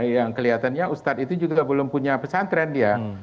yang kelihatannya ustadz itu juga belum punya pesantren dia